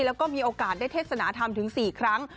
แล้วก็มีโอกาสได้เทศนาธรรมถึง๔ครั้ง